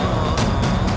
kau sudah terserah